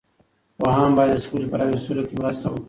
پوهان باید د سولې په راوستلو کې مرسته وکړي.